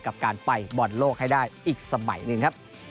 กับการไปบอลโลกให้ได้อีกสมัยหนึ่งครับ